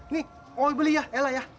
nih berlian elah ya